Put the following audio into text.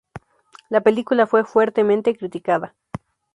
La película fue fuertemente criticada.